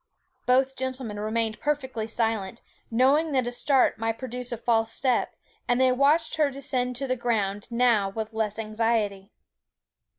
Both gentlemen remained perfectly silent, knowing that a start might produce a false step, and they watched her descent to the ground now with less anxiety.